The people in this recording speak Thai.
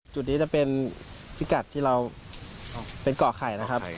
จุดนี้จะเป็นพิกัดที่เราเป็นเกาะไข่นะครับ